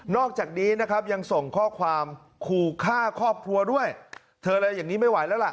อกจากนี้นะครับยังส่งข้อความขู่ฆ่าครอบครัวด้วยเธออะไรอย่างนี้ไม่ไหวแล้วล่ะ